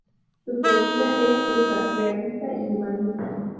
Su poesía es cruda, realista y humanista.